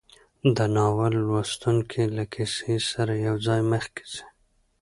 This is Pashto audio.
د ناول لوستونکی له کیسې سره یوځای مخکې ځي.